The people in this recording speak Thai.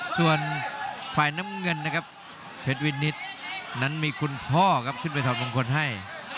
ส่วนฝ่ายน้ำเงินนะครับเพชรวินิตนั้นมีคุณพ่อครับขึ้นไปถอดมงคลให้